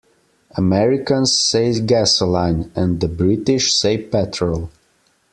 Americans say gasoline and the British say petrol.